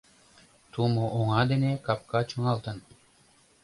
Тумо оҥа дене капка чоҥалтын.